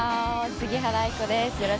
杉原愛子です。